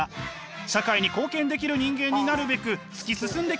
社会に貢献できる人間になるべく突き進んできました。